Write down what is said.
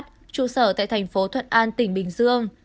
trụ sở tại thành phố thuận an tỉnh bình dương